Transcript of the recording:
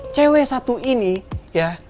cewek satu ini ya